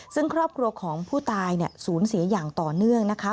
ซึ่งครอบครัวของผู้ตายสูญเสียอย่างต่อเนื่องนะคะ